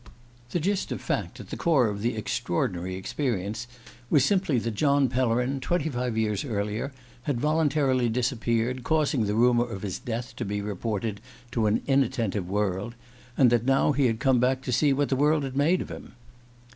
..." The gist of fact at the core of the extraordinary experience was simply that John Pellerin, twenty five years earlier, had voluntarily disappeared, causing the rumour of his death to be reported to an inattentive world; and that now he had come back to see what that world had made of him.